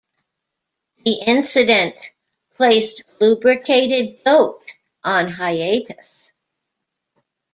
The incident placed Lubricated Goat on hiatus.